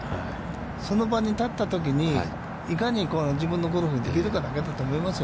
その場に立ったときに、いかに自分のゴルフができるかだけだと思いますよ。